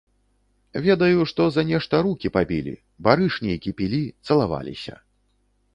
Ведаю, што за нешта рукі пабілі, барыш нейкі пілі, цалаваліся.